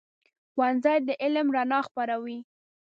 ښوونځی د علم رڼا خپروي.